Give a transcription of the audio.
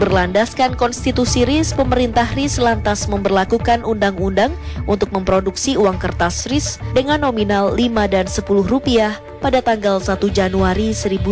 berlandaskan konstitusi risk pemerintah ris lantas memperlakukan undang undang untuk memproduksi uang kertas risk dengan nominal lima dan sepuluh rupiah pada tanggal satu januari seribu sembilan ratus empat puluh